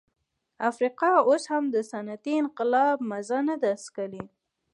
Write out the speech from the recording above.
افریقا اوس هم د صنعتي انقلاب مزه نه ده څکلې.